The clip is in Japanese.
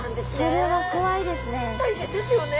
それは怖いですね。